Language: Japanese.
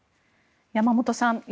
山本さん